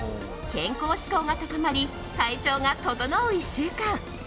健康志向が高まり体調が整う１週間。